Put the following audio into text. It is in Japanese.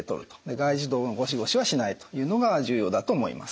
外耳道のゴシゴシはしないというのが重要だと思います。